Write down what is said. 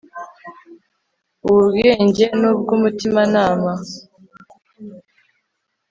ubwubwenge nubwumutimanama